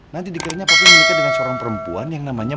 nanti dikiranya papi menikah dengan seorang perempuan yang namanya reva